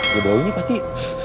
udah baunya pasti